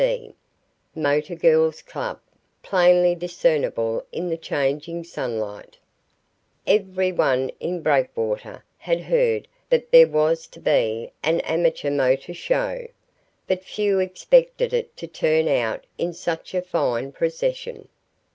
G. C. (Motor Girls' Club), plainly discernible in the changing sunlight. Every one in Breakwater had heard that there was to be an amateur motor show, but few expected it to turn out into such a fine procession.